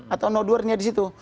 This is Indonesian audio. atau noteware nya di situ